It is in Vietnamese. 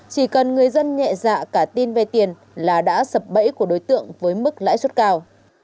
chỉ cần người dân nhẹ dạ cả tin vay tiền là đã sập bẫy của đối tượng với mức lãi suất cao